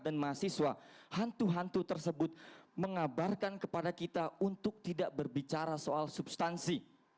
dan mahasiswa hantu hantu tersebut mengabarkan kepada kita untuk tidak berbicara soal substansi